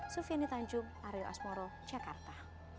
sufiani tanjung aryo asmoro jakarta